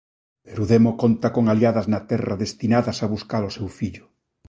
Pero o Demo conta con aliadas na terra destinadas a buscar o seu fillo.